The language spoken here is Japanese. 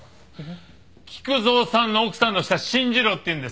菊蔵さんの奥さんの舌信じろっていうんですか？